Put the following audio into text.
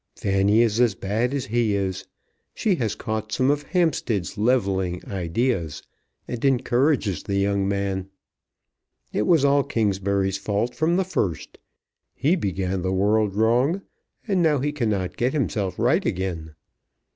"Fanny is as bad as he is. She has caught some of Hampstead's levelling ideas and encourages the young man. It was all Kingsbury's fault from the first. He began the world wrong, and now he cannot get himself right again.